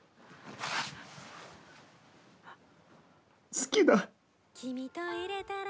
好きだ。